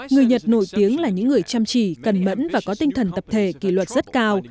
người nhật nổi tiếng là những người chăm chỉ cần mẫn và có tinh thần tập thể kỳ luật rất cao